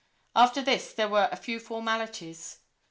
After this there were a few formalities.